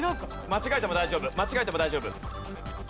間違えても大丈夫間違えても大丈夫。